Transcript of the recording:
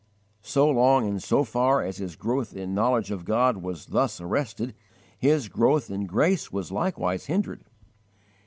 So long and so far as his growth in knowledge of God was thus arrested his growth in grace was likewise hindered.